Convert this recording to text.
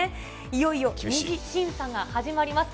いよいよ２次審査が始まります。